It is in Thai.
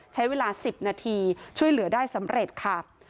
ใช้เวลา๑๐นาทีช่วยเหลือได้สำเร็จค่ะ